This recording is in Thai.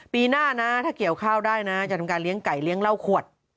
ปีหน้านะถ้าเกี่ยวข้าวได้นะจะทำการเลี้ยงไก่เลี้ยงเหล้าขวด